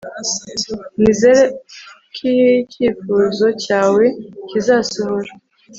nizere ko icyifuzo cyawe kizasohora